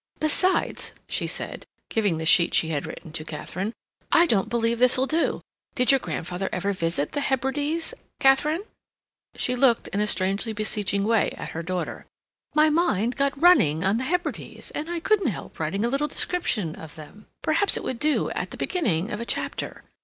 "Besides," she said, giving the sheet she had written to Katharine, "I don't believe this'll do. Did your grandfather ever visit the Hebrides, Katharine?" She looked in a strangely beseeching way at her daughter. "My mind got running on the Hebrides, and I couldn't help writing a little description of them. Perhaps it would do at the beginning of a chapter.